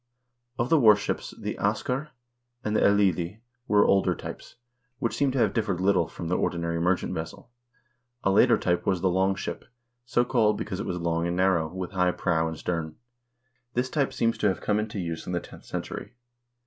Of the warships the askr l and the ellidi were older types, which seem to have differed little from the ordinary merchant vessel. A later type was the long ship,2 so called, because it was long and narrow, with high prow and stern. This type seems to have come into use in the tenth century.